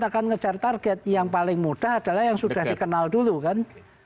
akan ngejar target yang paling mudah adalah yang sudah dikenal dulu kan